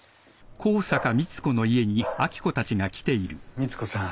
光子さん